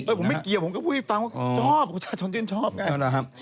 ผมไม่เกี่ยวผมก็พูดให้ฟังว่าชอบประชาชนชื่นชอบไง